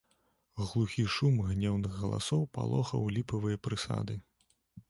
Глухі шум гнеўных галасоў палохаў ліпавыя прысады.